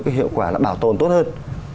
cái hiệu quả là bảo tồn tốt hơn